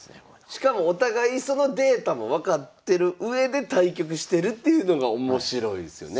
しかもお互いそのデータも分かってるうえで対局してるっていうのが面白いですよね。